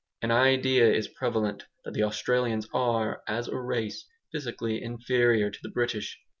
An idea is prevalent that the Australians are, as a race, physically inferior to the British.